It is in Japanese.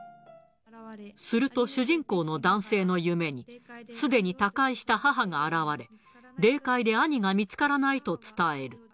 すると、主人公の男性の夢に、すでに他界した母が現れ、霊界で兄が見つからないと伝える。